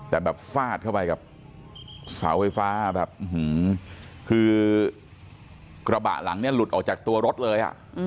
แต่แบบฟาดเข้าไปกับเสาไฟฟ้าแบบคือกระบะหลังเนี่ยหลุดออกจากตัวรถเลย